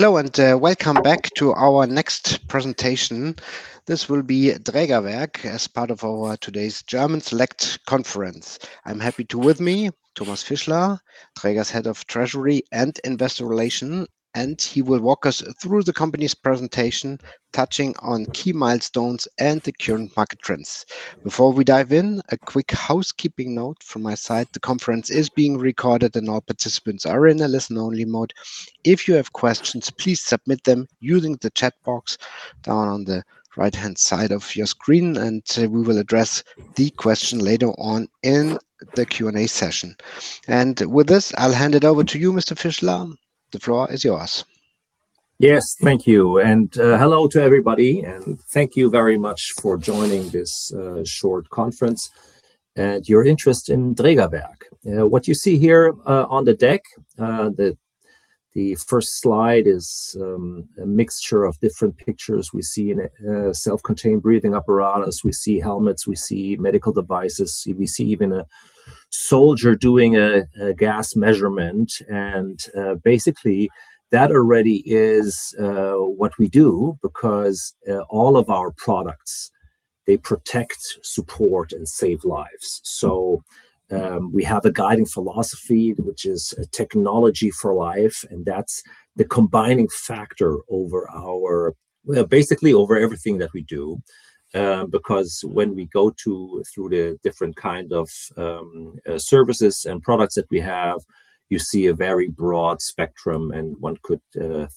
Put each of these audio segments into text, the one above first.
Hello, welcome back to our next presentation. This will be Drägerwerk as part of our today's German Select Conference. I'm happy to with me Thomas Fischler, Dräger's Head of Treasury and Investor Relations, and he will walk us through the company's presentation, touching on key milestones and the current market trends. Before we dive in, a quick housekeeping note from my side. The conference is being recorded, and all participants are in a listen-only mode. If you have questions, please submit them using the chat box down on the right-hand side of your screen, and we will address the question later on in the Q&A session. With this, I'll hand it over to you, Mr. Fischler. The floor is yours. Yes. Thank you. Hello to everybody, and thank you very much for joining this short conference and your interest in Drägerwerk. What you see here on the deck, the first slide is a mixture of different pictures. We see a Self-Contained Breathing Apparatus. We see helmets. We see medical devices. We see even a soldier doing a gas measurement. Basically, that already is what we do because all of our products, they protect, support, and save lives. We have a guiding philosophy, which is Technology for Life, and that's the combining factor basically over everything that we do. Because when we go through the different kind of services and products that we have, you see a very broad spectrum and one could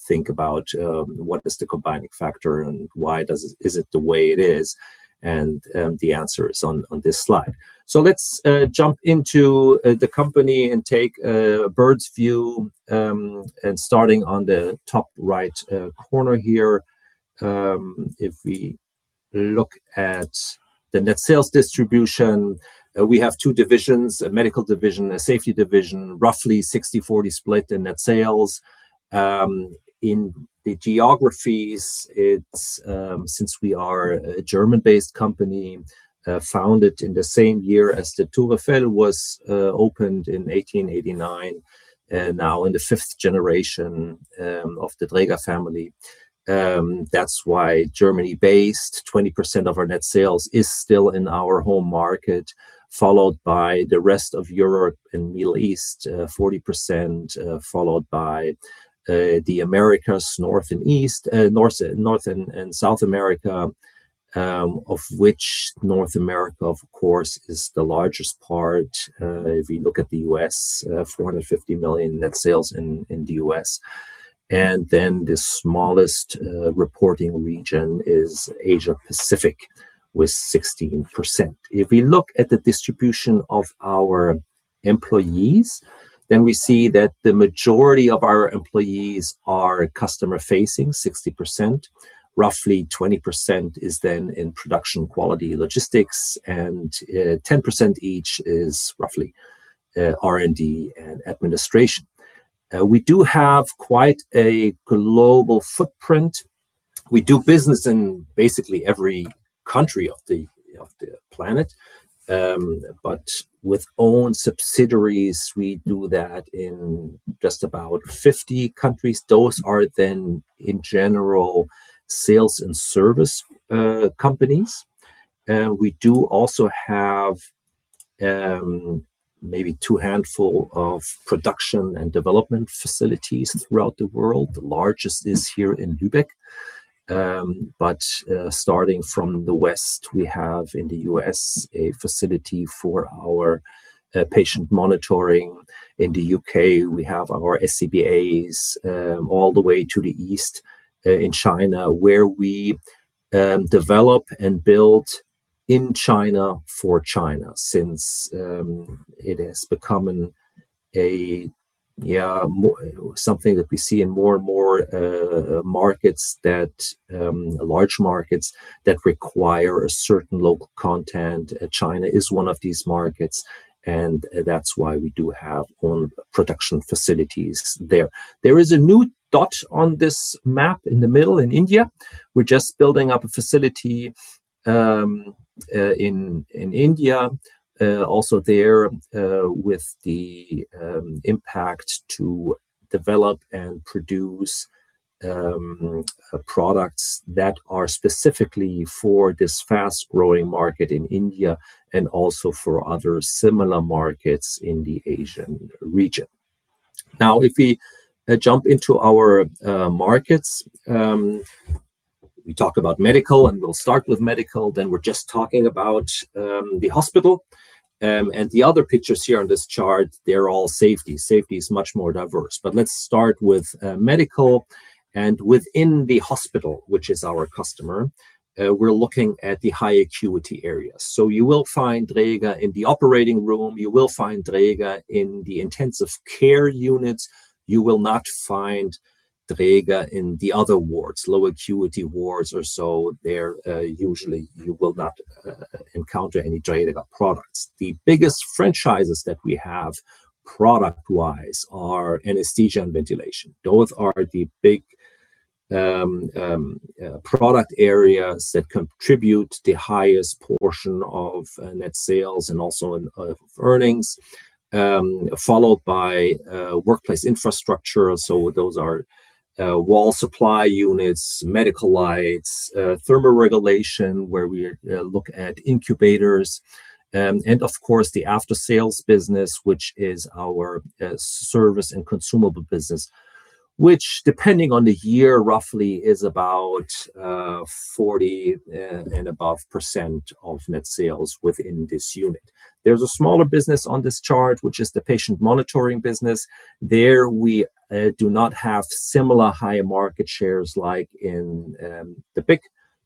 think about what is the combining factor and why is it the way it is? The answer is on this slide. Let's jump into the company and take a bird's view, and starting on the top right corner here, if we look at the net sales distribution, we have two divisions, a Medical division, a Safety division, roughly 60/40 split in net sales. In the geographies, since we are a German-based company, founded in the same year as the Tour Eiffel was opened in 1889, now in the fifth generation of the Dräger family, that's why Germany-based, 20% of our net sales is still in our home market, followed by the rest of Europe and Middle East, 40%, followed by the Americas, North and South America, of which North America, of course, is the largest part. If you look at the U.S., $450 million net sales in the U.S. The smallest reporting region is Asia Pacific with 16%. If we look at the distribution of our employees, then we see that the majority of our employees are customer-facing, 60%. Roughly 20% is then in production, quality, logistics, and 10% each is roughly R&D and administration. We do have quite a global footprint. We do business in basically every country of the planet, but with own subsidiaries, we do that in just about 50 countries. Those are then, in general, sales and service companies. We do also have maybe two handful of production and development facilities throughout the world. The largest is here in Lübeck. Starting from the West, we have in the U.S. a facility for our Patient Monitoring. In the U.K., we have our SCBAs, all the way to the East, in China, where we develop and build in China for China since it has become something that we see in more and more large markets that require a certain local content. China is one of these markets, and that's why we do have own production facilities there. There is a new dot on this map in the middle in India. We're just building up a facility in India, also there with the impact to develop and produce products that are specifically for this fast-growing market in India and also for other similar markets in the Asian region. Now, if we jump into our markets, we talk about Medical, and we'll start with Medical, then we're just talking about the hospital. The other pictures here on this chart, they're all Safety. Safety is much more diverse. Let's start with Medical, and within the hospital, which is our customer, we're looking at the high acuity areas. You will find Dräger in the operating room, you will find Dräger in the intensive care units. You will not find Dräger in the other wards, low acuity wards or so. There, usually, you will not encounter any Dräger products. The biggest franchises that we have product-wise are anesthesia and ventilation. Those are the big product areas that contribute the highest portion of net sales and also of earnings, followed by Workplace Infrastructure. Those are wall supply units, medical lights, thermoregulation, where we look at incubators and of course, the aftersales business, which is our service and consumable business, which, depending on the year, roughly is about 40 and above percent of net sales within this unit. There's a smaller business on this chart, which is the Patient Monitoring business. There, we do not have similar high market shares like in the big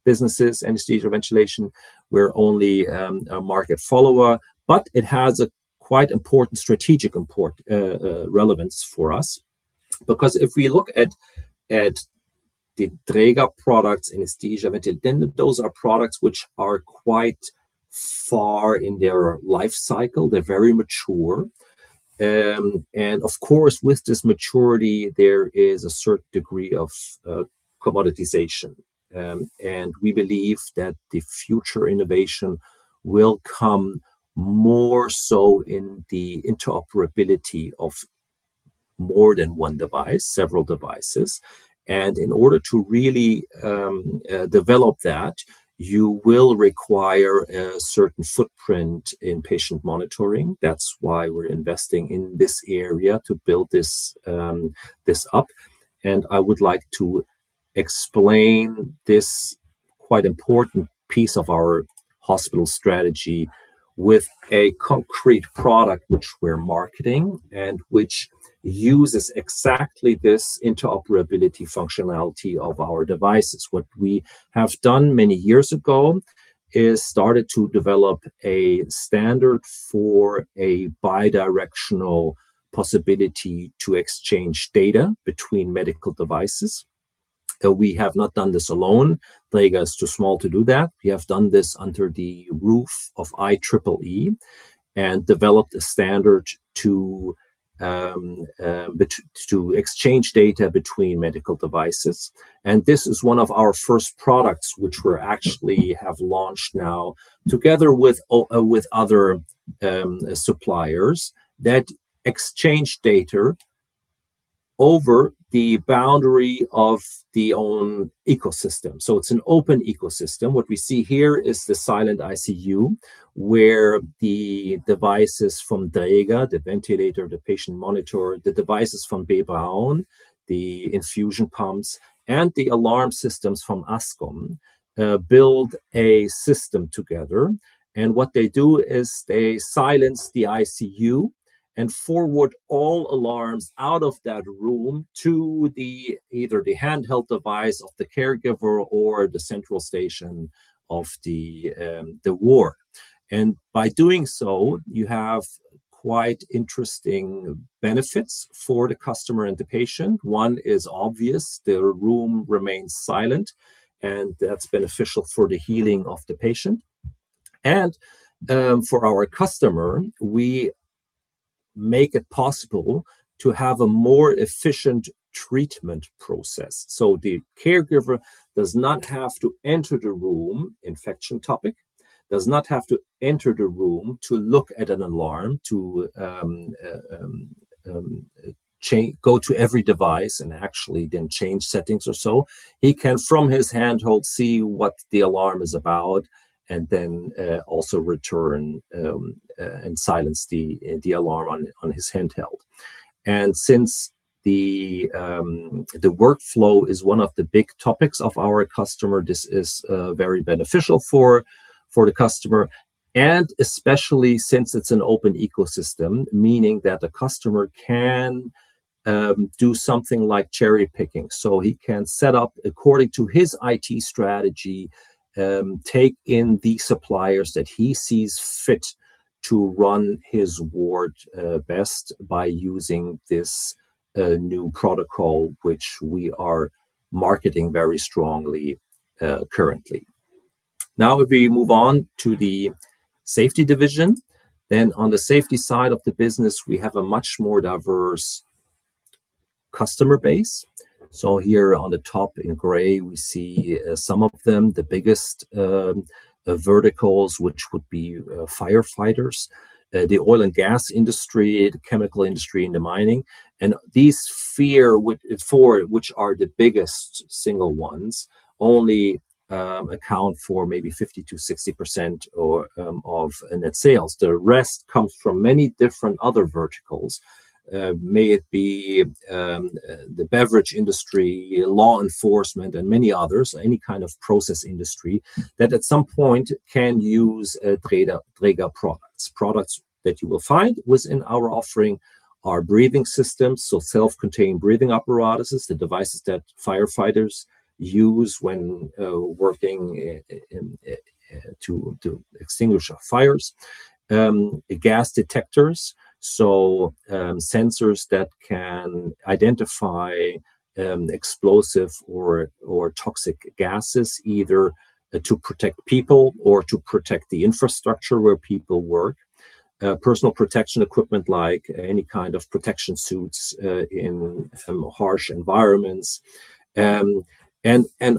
businesses, anesthesia, ventilation. We're only a market follower, but it has a quite important strategic relevance for us. Because if we look at the Dräger products, anesthesia ventilator, then those are products which are quite far in their life cycle. They're very mature. Of course, with this maturity, there is a certain degree of commoditization. We believe that the future innovation will come more so in the interoperability of more than one device, several devices. In order to really develop that, you will require a certain footprint in Patient Monitoring. That's why we're investing in this area to build this up. I would like to explain this quite important piece of our hospital strategy with a concrete product which we're marketing and which uses exactly this interoperability functionality of our devices. What we have done many years ago is started to develop a standard for a bidirectional possibility to exchange data between medical devices. We have not done this alone. Dräger is too small to do that. We have done this under the roof of IEEE and developed a standard to exchange data between medical devices. This is one of our first products, which we actually have launched now together with other suppliers that exchange data over the boundary of the own ecosystem. It's an open ecosystem. What we see here is the Silent ICU, where the devices from Dräger, the ventilator, the patient monitor, the devices from B. Braun, the infusion pumps, and the alarm systems from Ascom build a system together. What they do is they silence the ICU and forward all alarms out of that room to either the handheld device of the caregiver or the central station of the ward. By doing so, you have quite interesting benefits for the customer and the patient. One is obvious. The room remains silent, and that's beneficial for the healing of the patient. For our customer, we make it possible to have a more efficient treatment process. The caregiver does not have to enter the room, infection topic, does not have to enter the room to look at an alarm, to go to every device and actually then change settings or so. He can, from his handheld, see what the alarm is about, and then also return and silence the alarm on his handheld. Since the workflow is one of the big topics of our customer, this is very beneficial for the customer, and especially since it's an open ecosystem, meaning that the customer can do something like cherry-picking. He can set up according to his IT strategy, take in the suppliers that he sees fit to run his ward best by using this new protocol, which we are marketing very strongly currently. Now, we move on to the Safety division. On the Safety side of the business, we have a much more diverse customer base. Here on the top in gray, we see some of them, the biggest verticals, which would be firefighters, the oil and gas industry, the chemical industry, and the mining. These four, which are the biggest single ones, only account for maybe 50%-60% of net sales. The rest comes from many different other verticals. May it be the beverage industry, law enforcement, and many others, any kind of process industry that at some point can use Dräger products. Products that you will find within our offering are breathing systems, so Self-Contained Breathing Apparatuses, the devices that firefighters use when working to extinguish fires, Gas Detectors, so sensors that can identify explosive or toxic gases, either to protect people or to protect the infrastructure where people work, Personal Protective Equipment like any kind of protection suits in harsh environments, and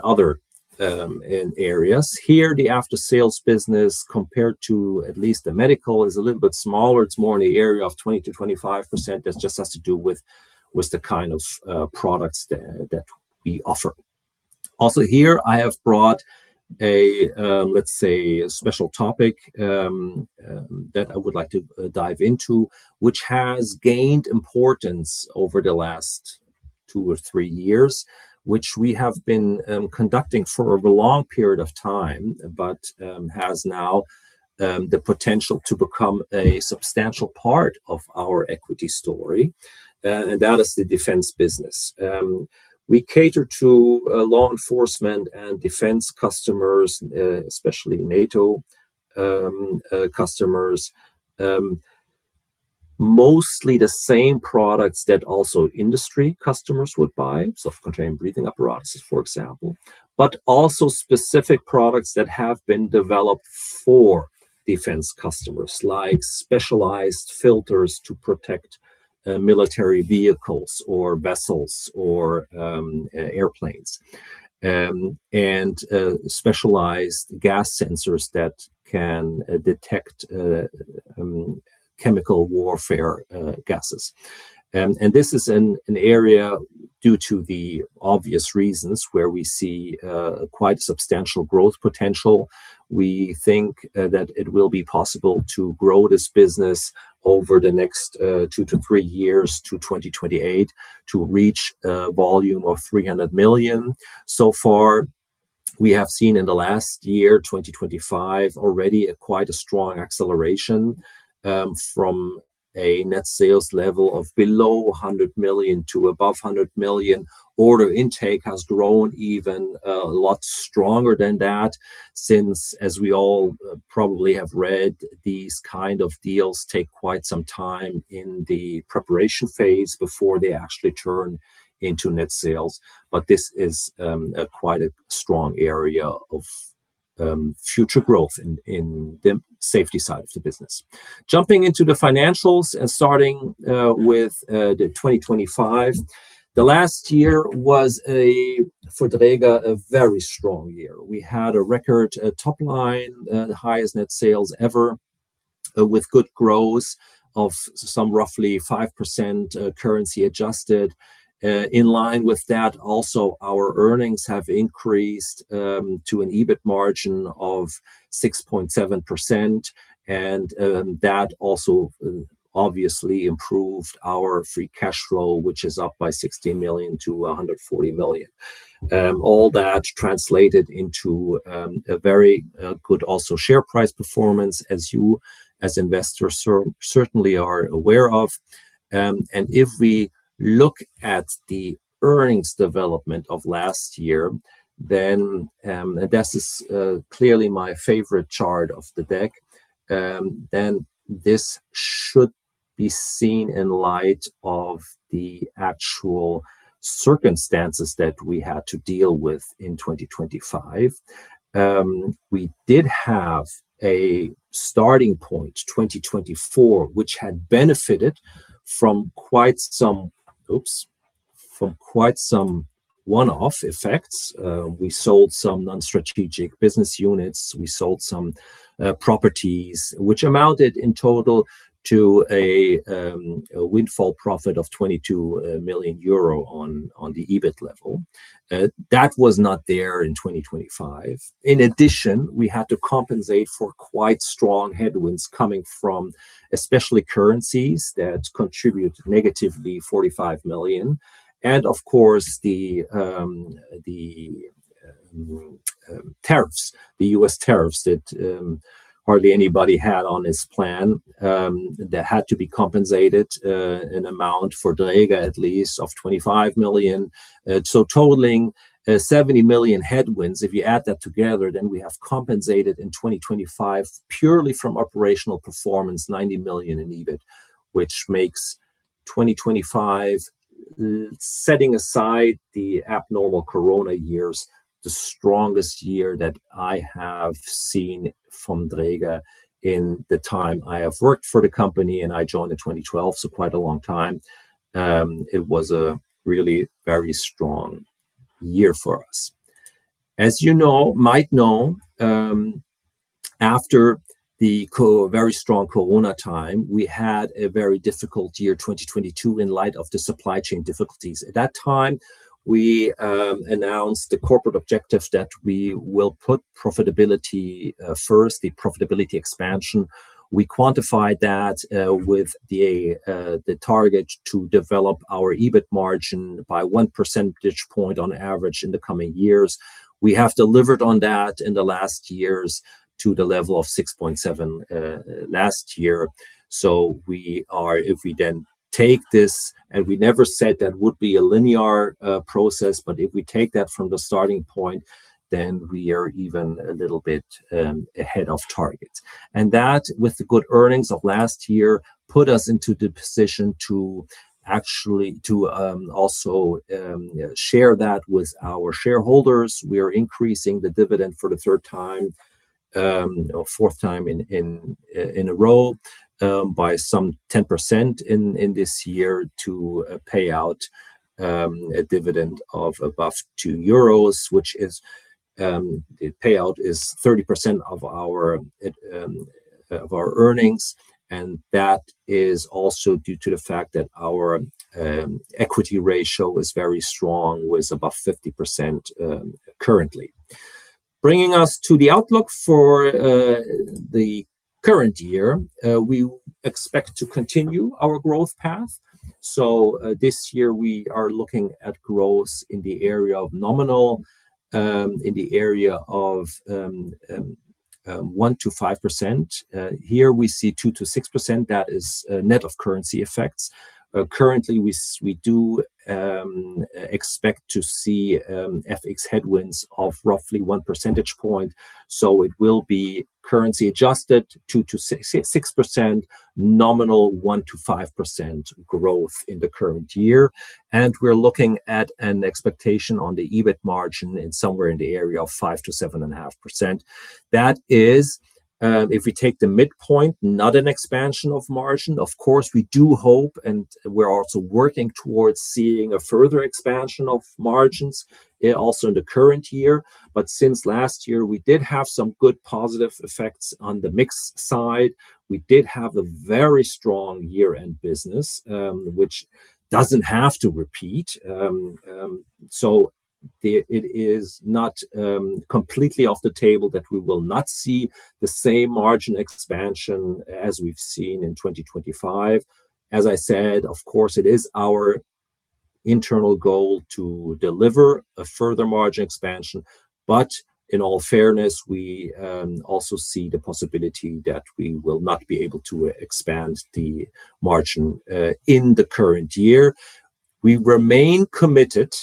other areas. Here, the aftersales business compared to at least the Medical is a little bit smaller. It's more in the area of 20%-25%. That just has to do with the kind of products that we offer. Also here I have brought, let's say, a special topic that I would like to dive into, which has gained importance over the last two or three years, which we have been conducting for a long period of time, but has now the potential to become a substantial part of our equity story, and that is the defense business. We cater to law enforcement and defense customers, especially NATO customers. Mostly the same products that also industry customers would buy, self-contained breathing apparatus, for example, but also specific products that have been developed for defense customers, like specialized filters to protect military vehicles or vessels or airplanes. And specialized gas sensors that can detect chemical warfare gases. And this is an area due to the obvious reasons, where we see quite substantial growth potential. We think that it will be possible to grow this business over the next two to three years to 2028 to reach a volume of 300 million. So far, we have seen in the last year, 2025, already quite a strong acceleration from a net sales level of below 100 million to above 100 million. Order intake has grown even a lot stronger than that since, as we all probably have read, these kind of deals take quite some time in the preparation phase before they actually turn into net sales. This is quite a strong area of future growth in the Safety side of the business. Jumping into the financials and starting with 2025, the last year was, for Dräger, a very strong year. We had a record top line, the highest net sales ever with good growth of some roughly 5% currency adjusted. In line with that, also our earnings have increased to an EBIT margin of 6.7%, and that also obviously improved our free cash flow, which is up by 16 million to 140 million. All that translated into a very good also share price performance, as you as investors certainly are aware of. If we look at the earnings development of last year, and this is clearly my favorite chart of the deck, then this should be seen in light of the actual circumstances that we had to deal with in 2025. We did have a starting point, 2024, which had benefited from quite some one-off effects. We sold some non-strategic business units. We sold some properties which amounted in total to a windfall profit of 22 million euro on the EBIT level. That was not there in 2025. In addition, we had to compensate for quite strong headwinds coming from especially currencies that contribute negatively 45 million. Of course, the tariffs, the U.S. tariffs that hardly anybody had on his plan, that had to be compensated an amount for Dräger at least of 25 million, totaling 70 million headwinds. If you add that together, then we have compensated in 2025 purely from operational performance, 90 million in EBIT, which makes 2025, setting aside the abnormal COVID years, the strongest year that I have seen from Dräger in the time I have worked for the company. I joined in 2012, so quite a long time. It was a really very strong year for us. As you might know, after the very strong COVID time, we had a very difficult year, 2022, in light of the supply chain difficulties. At that time, we announced the corporate objective that we will put profitability first, the profitability expansion. We quantified that with the target to develop our EBIT margin by one percentage point on average in the coming years. We have delivered on that in the last years to the level of 6.7% last year. If we then take this, and we never said that would be a linear process, but if we take that from the starting point, then we are even a little bit ahead of target. That, with the good earnings of last year, put us into the position to actually also share that with our shareholders. We are increasing the dividend for the third or fourth time in a row by some 10% in this year to pay out a dividend of above 2 euros, which the payout is 30% of our earnings. That is also due to the fact that our equity ratio is very strong, with above 50% currently. Bringing us to the outlook for the current year, we expect to continue our growth path. This year we are looking at growth in the area of nominal, in the area of 1%-5%. Here we see 2%-6%. That is net of currency effects. Currently, we do expect to see FX headwinds of roughly 1 percentage point, so it will be currency adjusted 2%-6%, nominal 1%-5% growth in the current year. We're looking at an expectation on the EBIT margin in somewhere in the area of 5%-7.5%. That is, if we take the midpoint, not an expansion of margin. Of course, we do hope, and we're also working towards seeing a further expansion of margins also in the current year. Since last year, we did have some good positive effects on the mix side. We did have a very strong year-end business, which doesn't have to repeat. It is not completely off the table that we will not see the same margin expansion as we've seen in 2025. As I said, of course, it is our internal goal to deliver a further margin expansion. In all fairness, we also see the possibility that we will not be able to expand the margin in the current year. We remain committed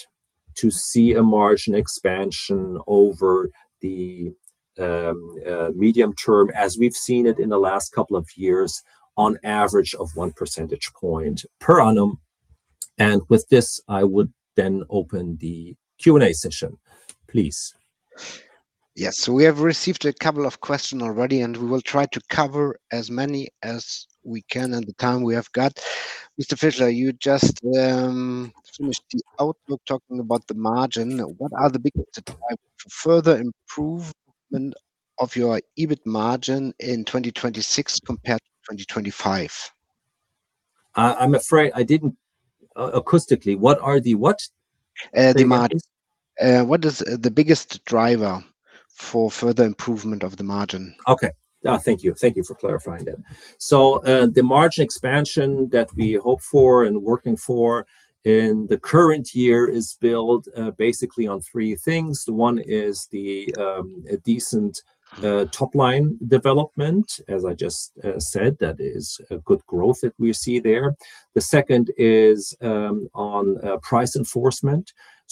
to see a margin expansion over the medium term, as we've seen it in the last couple of years, on average of one percentage point per annum. With this, I would then open the Q&A session, please. Yes. We have received a couple of questions already, and we will try to cover as many as we can in the time we have got. Mr. Fischler, you just finished the outlook talking about the margin. What are the for further improvement of your EBIT margin in 2026 compared to 2025? Acoustically, what are the what? The margin, what is the biggest driver for further improvement of the margin? Okay. Thank you for clarifying that. The margin expansion that we hope for and working for in the current year is built basically on three things. One is the decent top-line development, as I just said, that is a good growth that we see there. The second is on price enforcement.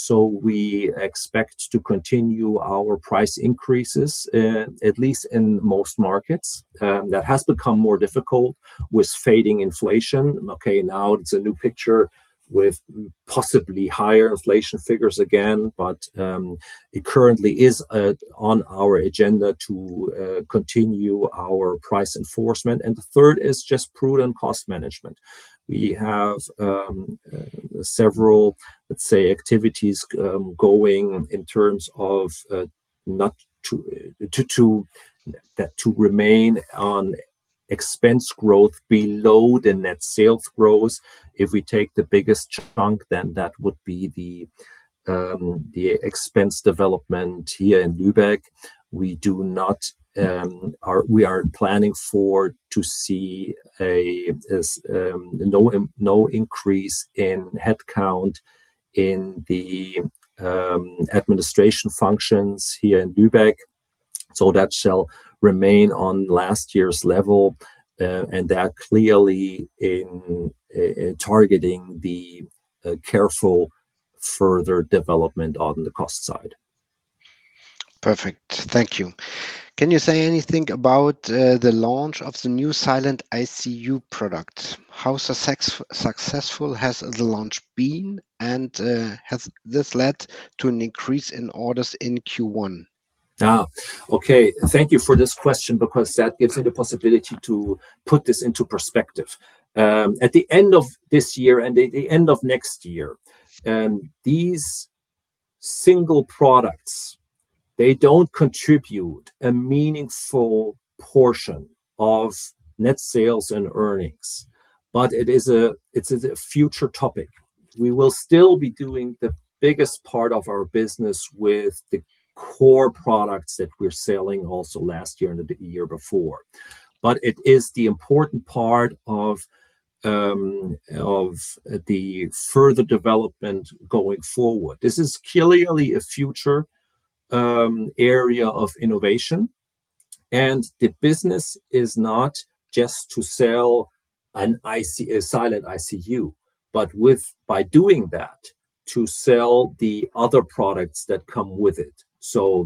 We expect to continue our price increases, at least in most markets. That has become more difficult with fading inflation. Okay, now it's a new picture with possibly higher inflation figures again, but it currently is on our agenda to continue our price enforcement. The third is just prudent cost management. We have several, let's say, activities going in terms of to remain on expense growth below the net sales growth. If we take the biggest chunk, then that would be the expense development here in Lübeck. We are planning to see no increase in headcount in the administration functions here in Lübeck. That shall remain on last year's level, and that clearly in targeting the careful further development on the cost side. Perfect. Thank you. Can you say anything about the launch of the new Silent ICU product? How successful has the launch been? Has this led to an increase in orders in Q1? Okay. Thank you for this question because that gives me the possibility to put this into perspective. At the end of this year and the end of next year, these single products, they don't contribute a meaningful portion of net sales and earnings. It's a future topic. We will still be doing the biggest part of our business with the core products that we're selling also last year and the year before. It is the important part of the further development going forward. This is clearly a future area of innovation. The business is not just to sell a Silent ICU, but by doing that, to sell the other products that come with it.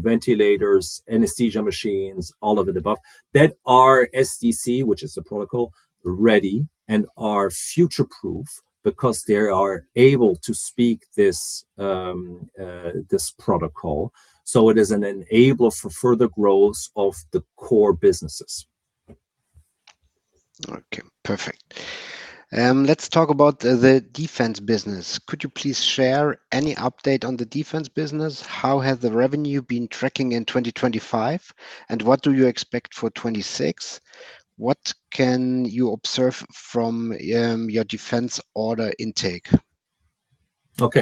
Ventilators, anesthesia machines, all of the above, that are SDC, which is the protocol, ready and are future-proof because they are able to speak this protocol. It is an enabler for further growth of the core businesses. Okay, perfect. Let's talk about the Defense business. Could you please share any update on the Defense business? How has the revenue been tracking in 2025, and what do you expect for 2026? What can you observe from your Defense order intake? Okay.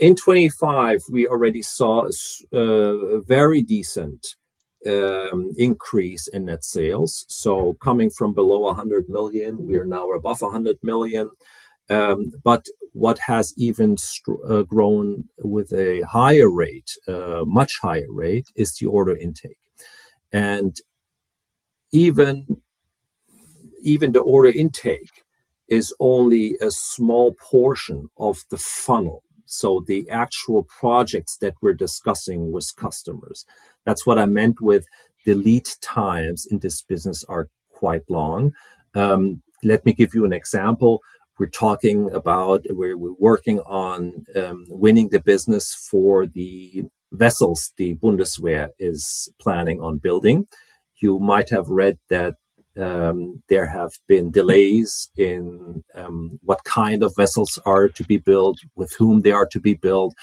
In 2025, we already saw a very decent increase in net sales. Coming from below 100 million, we are now above 100 million. What has even grown with a higher rate, much higher rate, is the order intake. Even the order intake is only a small portion of the funnel, the actual projects that we're discussing with customers. That's what I meant with the lead times in this business are quite long. Let me give you an example. We're working on winning the business for the vessels the Bundeswehr is planning on building. You might have read that there have been delays in what kind of vessels are to be built, with whom they are to be built,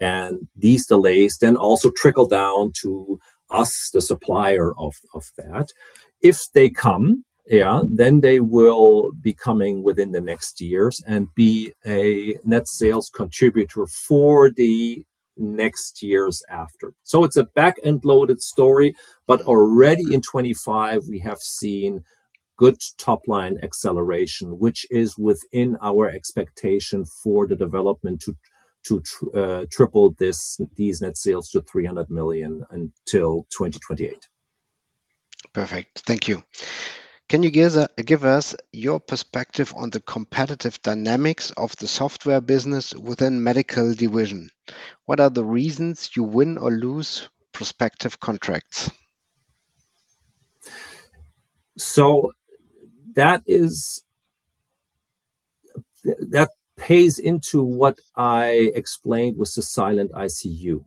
and these delays then also trickle down to us, the supplier of that. If they come, then they will be coming within the next years and be a net sales contributor for the next years after. It's a back-end loaded story, but already in 2025, we have seen good top-line acceleration, which is within our expectation for the development to triple these net sales to 300 million until 2028. Perfect. Thank you. Can you give us your perspective on the competitive dynamics of the Software business within Medical division? What are the reasons you win or lose prospective contracts? That pays into what I explained with the Silent ICU.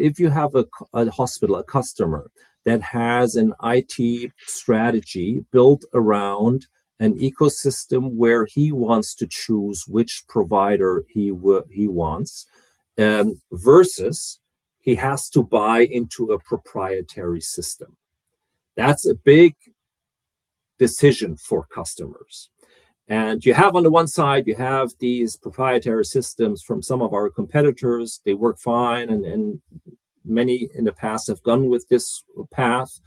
If you have a hospital, a customer that has an IT strategy built around an ecosystem where he wants to choose which provider he wants, versus he has to buy into a proprietary system. That's a big decision for customers. You have on the one side, you have these proprietary systems from some of our competitors. They work fine, and many in the past have gone with this path.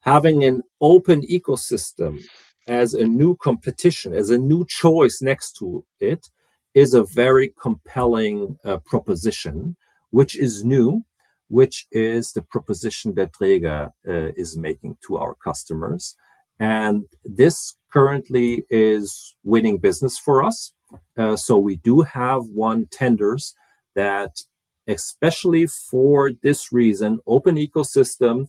Having an open ecosystem as a new competition, as a new choice next to it, is a very compelling proposition, which is new, which is the proposition that Dräger is making to our customers. This currently is winning business for us. We do have won tenders that, especially for this reason, open ecosystem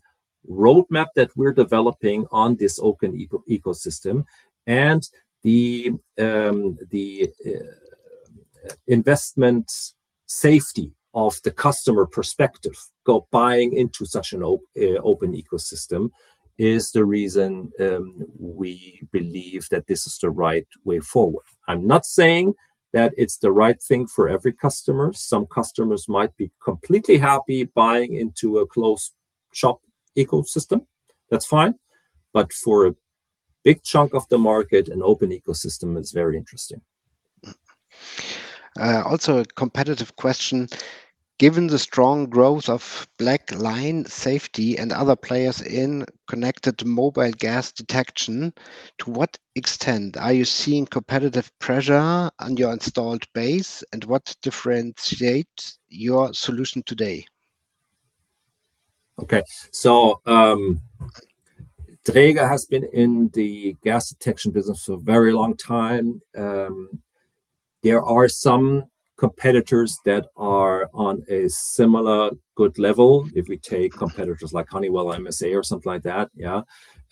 roadmap that we're developing on this open ecosystem and the investment safety of the customer perspective, buying into such an open ecosystem is the reason we believe that this is the right way forward. I'm not saying that it's the right thing for every customer. Some customers might be completely happy buying into a closed shop ecosystem. That's fine. For a big chunk of the market, an open ecosystem is very interesting. Also a competitive question. Given the strong growth of Blackline Safety and other players in connected mobile gas detection, to what extent are you seeing competitive pressure on your installed base? What differentiates your solution today? Okay. Dräger has been in the Gas Detection business for a very long time. There are some competitors that are on a similar good level, if we take competitors like Honeywell, MSA, or something like that.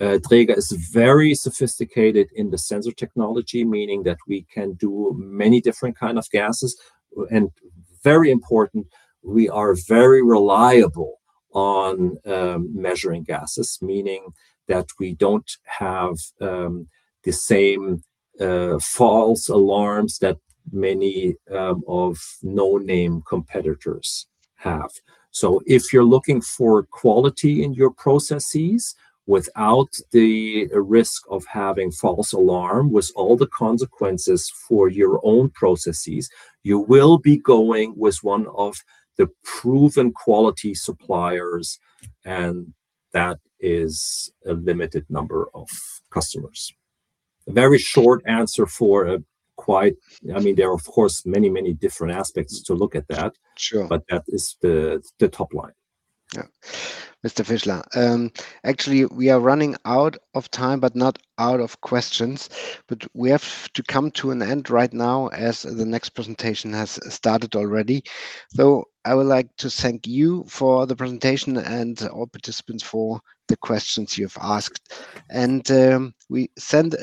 Dräger is very sophisticated in the sensor technology, meaning that we can do many different kind of gases. Very important, we are very reliable on measuring gases, meaning that we don't have the same false alarms that many of no-name competitors have. If you're looking for quality in your processes without the risk of having false alarm, with all the consequences for your own processes, you will be going with one of the proven quality suppliers, and that is a limited number of customers. There are, of course, many different aspects to look at that. Sure. That is the top line. Yeah. Mr. Fischler, actually, we are running out of time, but not out of questions. We have to come to an end right now as the next presentation has started already. I would like to thank you for the presentation and all participants for the questions you've asked. We send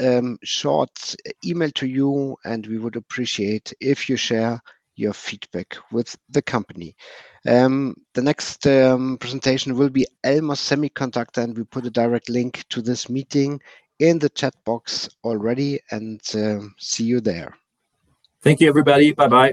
short email to you, and we would appreciate if you share your feedback with the company. The next presentation will be Elmos Semiconductor, and we put a direct link to this meeting in the chat box already. See you there. Thank you, everybody. Bye-bye.